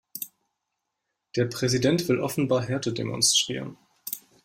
Der Präsident will offenbar Härte demonstrieren.